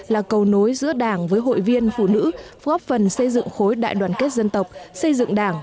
là cầu nối giữa đảng với hội viên phụ nữ góp phần xây dựng khối đại đoàn kết dân tộc xây dựng đảng